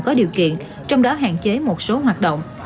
có điều kiện trong đó hạn chế một số hoạt động